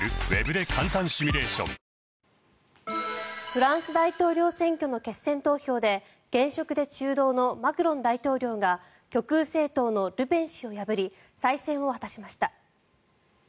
フランス大統領選挙の決選投票で現職で中道のマクロン大統領が極右政党のルペン氏を破り再選を果たしました。